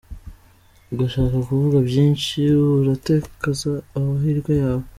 Ugashaka kuvuga byinshi, uratakaza amahirwe yawe.